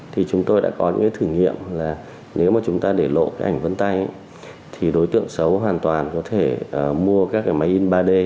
thì chúng tôi đã có những cái thử nghiệm là nếu mà chúng ta để lộ cái ảnh vân tay thì đối tượng xấu hoàn toàn có thể mua các cái máy in ba d